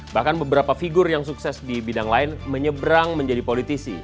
bahkan beberapa figur yang sukses di bidang lain menyeberang menjadi politisi